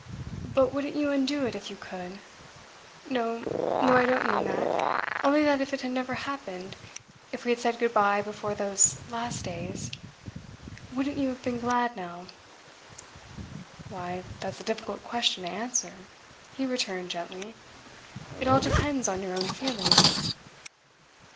'But wouldn't you undo it if you could? No, no, I don't mean that. Only that if it had never happened if we had said good bye before those last days wouldn't you have been glad now?' 'Why, that's a difficult question to answer,' he returned gently. 'It all depends on your own feeling.